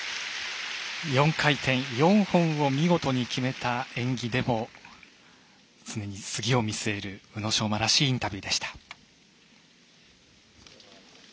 ４回転４本を見事に決めた演技でも常に次を見据える宇野昌磨らしいインタビューでした。